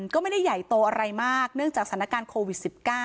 ก็ไม่ได้ใหญ่โตอะไรมากเนื่องจากสถานการณ์โควิด๑๙